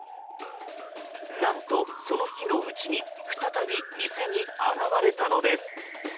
何と、その日のうちに再び店に現れたのです。